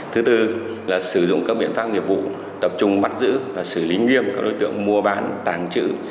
thứ tư là sử dụng các biện pháp nghiệp vụ tập trung bắt giữ và xử lý nghiêm các đối tượng mua bán tàng trữ